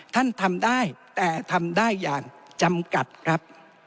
ท่านทำได้แต่ทำได้อย่างจำกัดครับ